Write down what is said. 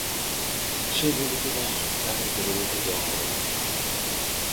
সে বলিত, না, টাকা কোনোমতেই দেওয়া হবে না।